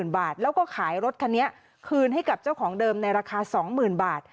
บาทแล้วก็ขายรถคันนี้คืนให้กับเจ้าของเดิมในราคา๒๐๐๐บาท